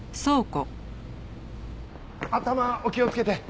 頭お気をつけて。